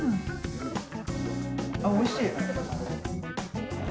おいしい。